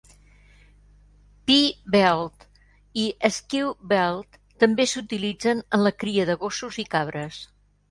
"Piebald" i "skewbald" també s'utilitzen en la cria de gossos i cabres.